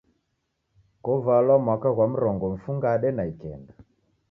Kovalwa mwaka ghwa mrongo mfungade na ikenda.